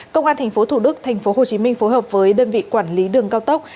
công an thành phố thủ đức thành phố hồ chí minh phối hợp với đơn vị quản lý đường cao tốc